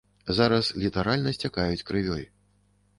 Зараз літаральна сцякаюць крывёй.